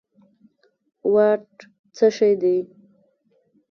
واټ څه شی دي